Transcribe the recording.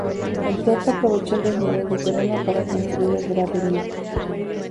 El teatro aprovechó el desnivel de terreno para construir el graderío.